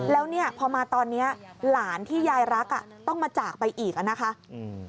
แล้วนี่พอมาตอนนี้หลานที่ยายรักต้องมาจากไปอีกนะครับ